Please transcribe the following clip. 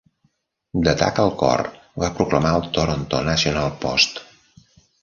"D'atac al cor", va proclamar el "Toronto National Post".